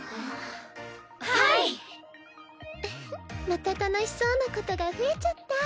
また楽しそうなことが増えちゃった。